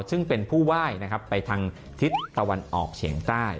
ซึ่งเป็นผู้ไหว้นะครับไปทางทิศตะวันออกเฉียงใต้